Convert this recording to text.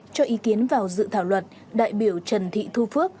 cho ý kiến vào dự thảo luật đại biểu trần thị thu phước